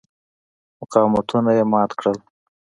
مقاومتونه یې مات کړل.